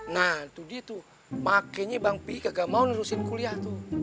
nah tuh dia tuh makanya bang pi gak mau lulusin kuliah tuh